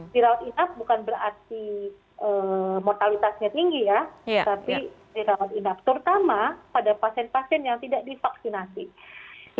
dirawat inap bukan berarti mortalitasnya tinggi ya tapi dirawat inap terutama pada pasien pasien yang tidak divaksinasi